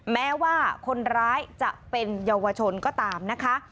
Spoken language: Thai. แม้ว่าคนร้ายจะเป็นเยาวชนก็ตามนะคะ